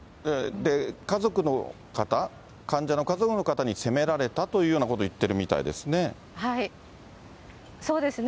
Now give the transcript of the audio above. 家族の方、患者の家族の方に責められたというようなことを言ってるみたいでそうですね。